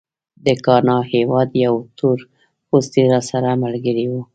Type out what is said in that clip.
د ګانا هېواد یو تورپوستی راسره ملګری و.